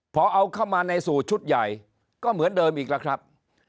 พอเอาเข้ามาในสู่ชุดใหญ่ก็เหมือนเดิมอีกแล้วครับ